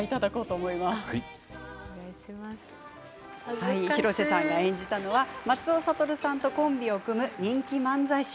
改めて、広瀬さんが演じたのは松尾諭さんとコンビを組む人気漫才師。